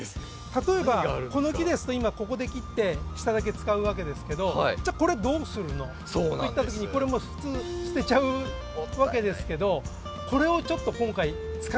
例えばこの木ですと今ここで切って下だけ使うわけですけどじゃこれどうするの？といった時にこれもう普通捨てちゃうわけですけどこれをちょっと今回使ってみたいと思います。